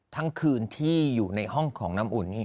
ทั้งคืนที่อยู่ในห้องของน้ำอุ่นนี่